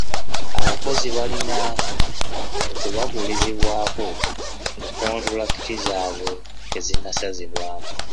Abakozi balina okubagulizibwako nga kontulakiti zaabwe tezinnasazibwamu.